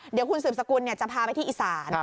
เดี๋ยวคุณสืบสกุลจะพาไปที่อีสาน